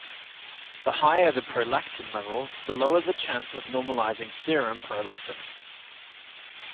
The higher the prolactin level the lower the chance of normalizing serum prolactin.